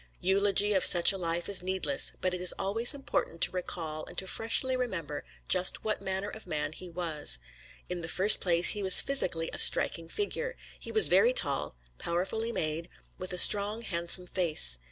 Eulogy of such a life is needless, but it is always important to recall and to freshly remember just what manner of man he was. In the first place he was physically a striking figure. He was very tall, powerfully made, with a strong, handsome face.